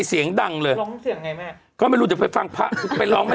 เสียงดังเลยร้องเสียงยังไงแม่ก็ไม่รู้จะไปฟังพระไปร้องนะ